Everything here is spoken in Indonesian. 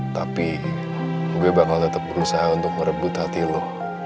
tapi gue bakal tetep berusaha untuk merebut hati lo